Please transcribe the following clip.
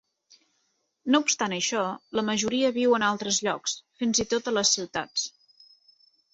No obstant això, la majoria viu en altres llocs, fins i tot a les ciutats.